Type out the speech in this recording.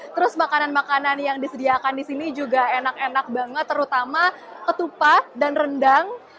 terus makanan makanan yang disediakan di sini juga enak enak banget terutama ketupat dan rendang